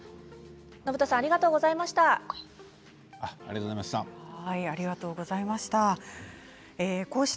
信田さんありがとうございました。